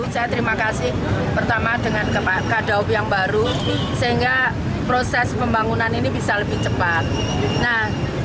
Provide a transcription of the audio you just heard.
saya terima kasih pertama dengan kepala pt kai daops yang baru sehingga proses pembangunan ini bisa lebih cepat